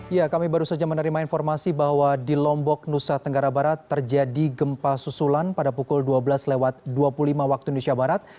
ya kami baru saja menerima informasi bahwa di lombok nusa tenggara barat terjadi gempa susulan pada pukul dua belas lewat dua puluh lima waktu indonesia barat